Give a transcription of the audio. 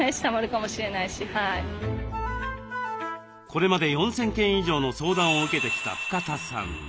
これまで４，０００件以上の相談を受けてきた深田さん